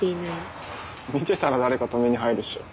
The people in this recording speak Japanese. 見てたら誰か止めに入るっしょ。